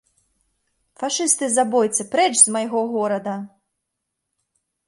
Фашысты-забойцы, прэч з майго горада!